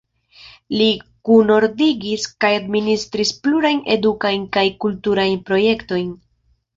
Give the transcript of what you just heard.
Li kunordigis kaj administris plurajn edukajn kaj kulturajn projektojn.